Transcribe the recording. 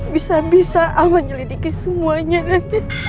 bisa bisa al menyelidiki semuanya dan